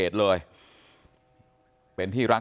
สวัสดีครับ